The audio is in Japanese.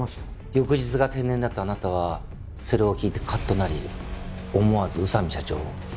翌日が定年だったあなたはそれを聞いてカッとなり思わず宇佐美社長を。